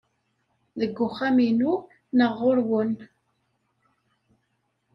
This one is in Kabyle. Deg uxxam-inu neɣ ɣer-wen?